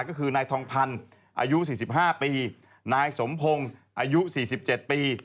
ก็คือนายทองพันธ์อายุ๔๕ปีนายสมพงศ์อายุ๔๗ปี